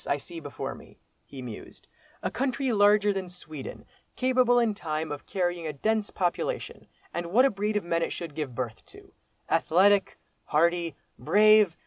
I see before me," he mused, "a country larger than Sweden, capable in time of carrying a dense population; and what a breed of men it should give birth to, athletic, hardy, brave!